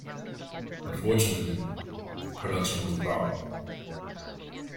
Unfortunately, production was a problem.